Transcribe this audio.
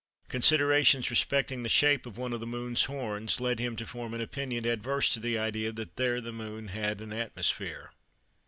Considerations respecting the shape of one of the Moon's horns led him to form an opinion adverse to the idea that there the Moon had an atmosphere.